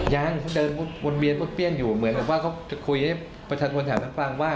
ยังเค้าเดินบนเบี้ยนบนเบี้ยนอยู่เหมือนว่าเค้าจะคุยให้ประชาชนฐานมาฟังว่า